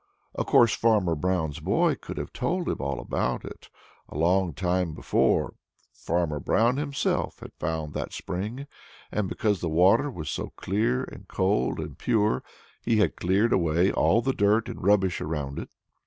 Of course, Farmer Brown's boy could have told him all about it. A long time before Farmer Brown himself had found that spring, and because the water was so clear and cold and pure, he had cleared away all the dirt and rubbish around it.